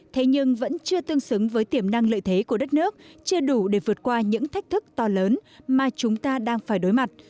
thế nhưng vẫn chưa tương xứng với tiềm năng lợi thế của đất nước chưa đủ để vượt qua những thách thức to lớn mà chúng ta đang phải đối mặt